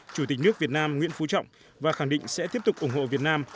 chủ tịch nước việt nam nguyễn phú trọng và khẳng định sẽ tiếp tục ủng hộ việt nam